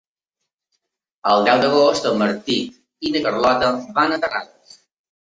El deu d'agost en Martí i na Carlota van a Terrades.